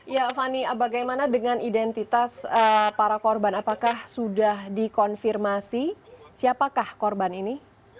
ya fani bagaimana dengan identitas para korban apakah sudah dikonfirmasi siapakah korban ini